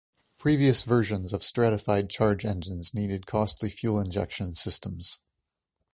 Previous versions of stratified charge engines needed costly fuel injection systems.